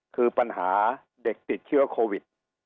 คือปัญหาเด็กติดเชื้อโควิด